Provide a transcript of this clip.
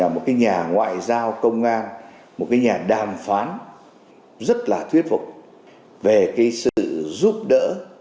một nhà ngoại giao công an một nhà đàm phán rất là thuyết phục về sự giúp đỡ